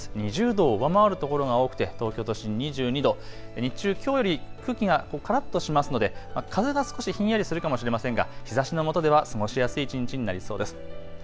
２０度を上回るところが多くて東京都心２２度、日中、きょうより空気がからっとしますので、風が少しひんやりするかもしれませんが、日ざしのもとでは過ごしやすい一日になりそうです。